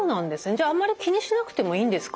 じゃああんまり気にしなくてもいいんですか？